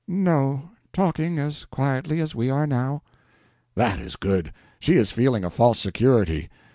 "No, talking as quietly as we are now." "That is good. She is feeling a false security.